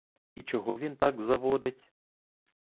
І чого він так заводить?